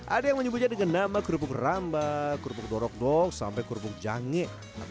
ada yang menyebutnya dengan nama kerupuk rambak kerupuk dorok dok sampai kerupuk jangik tapi